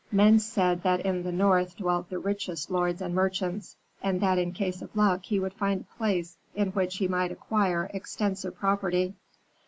Men said that in the north dwelt the richest lords and merchants, and that in case of luck he would find a place in which he might acquire extensive property.